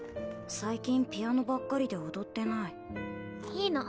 最近ピアノばっかりで踊ってないいいの。